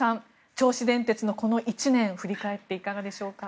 銚子電鉄のこの１年振り返っていかがでしょうか。